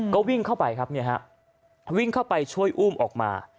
ก็วิ่งเข้าไปช่วยอุ้มออกมา